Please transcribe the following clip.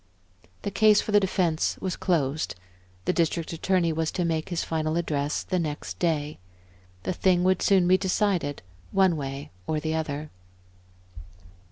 The case for the defense was closed, the District Attorney was to make his final address the next day. The thing would soon be decided, one way or the other.